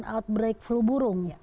outbreak flu burung